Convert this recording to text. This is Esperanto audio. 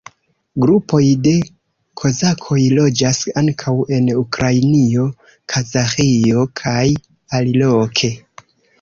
Grupoj de kozakoj loĝas ankaŭ en Ukrainio, Kazaĥio kaj aliloke.